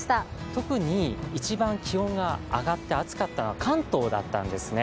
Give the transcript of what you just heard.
特に一番気温が上がって、暑かったのは関東だったんですね。